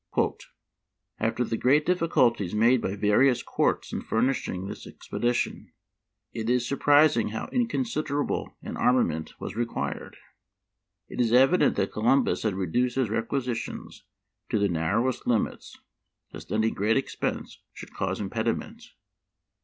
—" After the great difficulties made by various courts in furnishing this expe dition, it is surprising how inconsiderable an armament was required. It is evident that Co lumbus had reduced his requisitions to the nar rowest limits, lest any great expense should cause impediment.